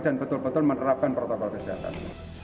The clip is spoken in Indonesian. dan betul betul menerapkan protokol kegiatan